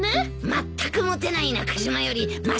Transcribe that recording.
まったくモテない中島よりましだけどね。